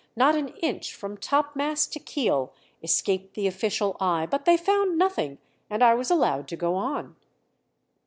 Not an inch from topmast to keel escaped the official eye; but they found nothing, and I was allowed to go on."